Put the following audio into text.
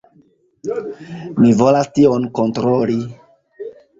Mi volas tion kontroli.